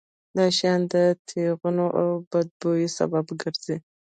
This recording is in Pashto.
دا شیان د ټېغونو او بد بوی سبب ګرځي.